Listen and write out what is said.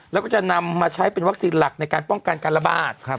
แล้วก็จะนำมาใช้เป็นวัคซีนหลักในการป้องกันการระบาด